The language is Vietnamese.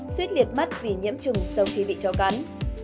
suýt liệt mắt vì nhiễm trùng sau khi bị cho cắn